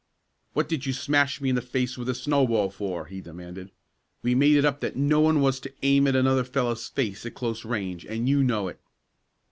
"What did you smash me in the face with a snowball for?" he demanded. "We made it up that no one was to aim at another fellow's face at close range, and you know it."